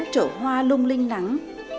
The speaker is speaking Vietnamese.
trổ hoa lung linh nắng